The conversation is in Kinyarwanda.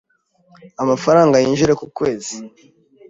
amafaranga yinjira mu kwezi